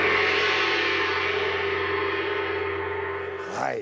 はい。